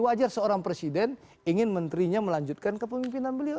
wajar seorang presiden ingin menterinya melanjutkan kepemimpinan beliau